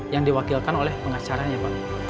yang diwakilkan oleh pengacaranya pak